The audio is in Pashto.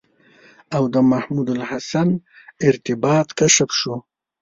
او د محمودالحسن ارتباط کشف شو.